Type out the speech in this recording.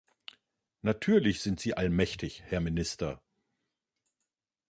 Natürlich sind Sie allmächtig, Herr Minister.